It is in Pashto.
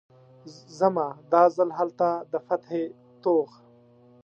ځمه، دا ځل هلته د فتحې توغ